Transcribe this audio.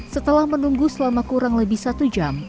setelah menunggu selama kurang lebih satu jam